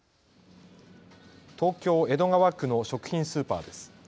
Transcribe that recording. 東京江戸川区の食品スーパーです。